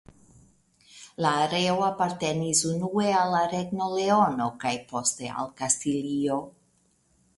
La areo apartenis unue al la Regno Leono kaj poste al Kastilio.